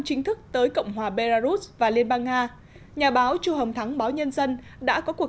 chính thức tới cộng hòa belarus và liên bang nga nhà báo chu hồng thắng báo nhân dân đã có cuộc